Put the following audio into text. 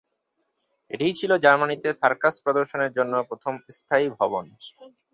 এটিই ছিল জার্মানিতে সার্কাস প্রদর্শনের জন্য প্রথম স্থায়ী ভবন।